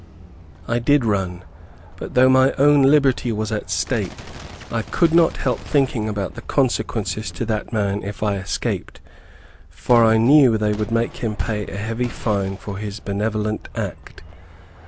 I did run, but though my own liberty was at stake I could not help thinking about the consequences to that man if I escaped, for I knew they would make him pay a heavy fine for his benevolent act.